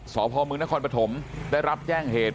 สพมนครปฐมได้รับแจ้งเหตุ